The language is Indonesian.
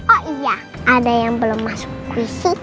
oh iya ada yang belum masuk fisik